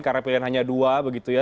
karena pilihan hanya dua begitu ya